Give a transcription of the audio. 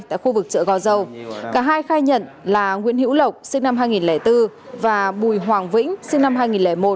tại khu vực chợ gò dầu cả hai khai nhận là nguyễn hữu lộc sinh năm hai nghìn bốn và bùi hoàng vĩnh sinh năm